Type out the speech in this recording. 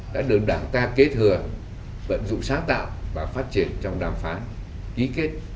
đã được đảng ta kết hừa vận dụng sáng tạo và phát triển trong đàm phán ký kết